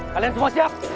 kalian semua siap